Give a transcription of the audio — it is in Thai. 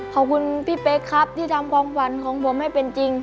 ขอบคุณพี่เป๊กครับที่ทำความฝันของผมให้เป็นจริง